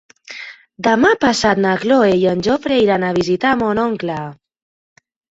Demà passat na Cloè i en Jofre iran a visitar mon oncle.